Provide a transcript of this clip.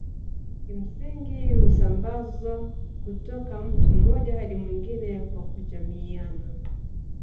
kimsingi husambazwa kutoka mtu mmoja hadi mwingine kwa kujamiiana